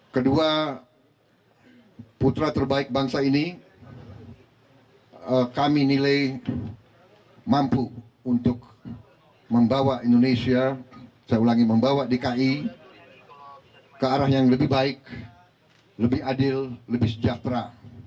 kedua putra terbaik bangsa ini kami nilai mampu untuk membawa indonesia saya ulangi membawa dki ke arah yang lebih baik lebih adil lebih sejahtera